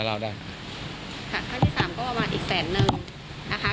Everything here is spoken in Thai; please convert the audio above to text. ค่ะครั้งที่๓ก็ประมาณ๑๐๐๐๐๐บาท